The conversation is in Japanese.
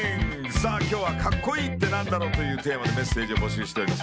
さあ今日は「かっこいいってなんだろう？」というテーマでメッセージを募集しております。